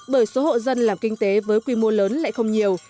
bởi số hộ dân làm kinh tế với quy mô lớn lại không nhiều